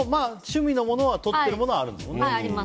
趣味のものはとってるものはあるもんね。